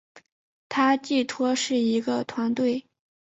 它寄托是一个团队